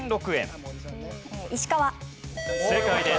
正解です。